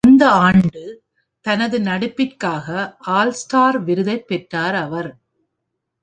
அந்த ஆண்டு தனது நடிப்பிற்காக ஆல் ஸ்டார் விருதைப் பெற்றார் அவர்.